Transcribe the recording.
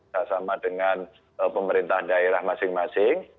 bersama dengan pemerintah daerah masing masing